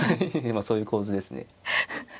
そういう構図ですね。